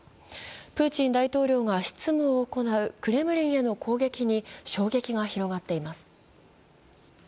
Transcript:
プーチン大統領が執務を行うクレムリンへの攻撃に衝撃が広がっています。